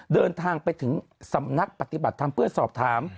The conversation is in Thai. เดินทางไปถึงสำนักปฏิบัติธรรมเพื่อสอบถาม